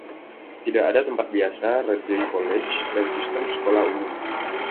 Tidak ada tempat biasa: Radley College dan sistem sekolah umum.